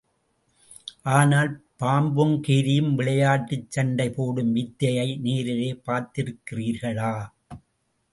ஆனால், பாம்பும் கீரியும் விளையாட்டுச் சண்டை போடும் வித்தையை நேரில் பார்த்திருக்கிறீர்களா?